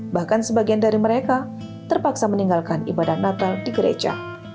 bahkan sebagian dari mereka terpaksa meninggalkan ibadah natal di gereja